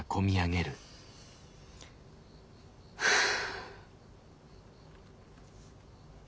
はあ。